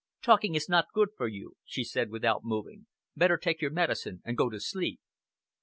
"Talking is not good for you," she said, without moving. "Better take your medicine and go to sleep!"